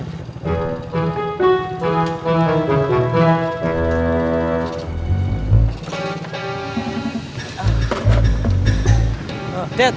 pindah pindah aja nih